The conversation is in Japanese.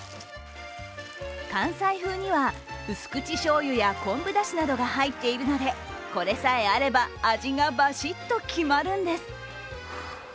関西風には、うす口しょうゆや昆布だしなどが入っているのでこれさえあれば味がばしっと決まるんです。